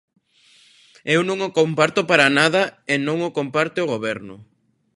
Eu non o comparto para nada e non o comparte o Goberno.